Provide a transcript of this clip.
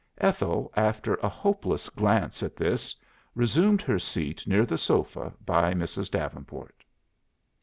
Ethel, after a hopeless glance at this, resumed her seat near the sofa by Mrs. Davenport.